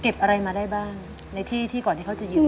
อะไรมาได้บ้างในที่ที่ก่อนที่เขาจะยึด